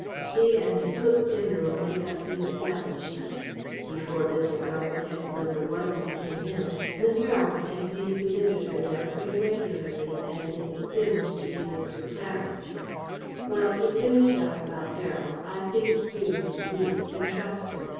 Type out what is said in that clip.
She and a cook general make up the establishment. Before Mrs. Architect No. 1 became ill, Mr. Architect used to visit her there pretty regularly, and is assumed to be Mr. Claridge.... Well: to finish up about Beryl: I think you we can trust her.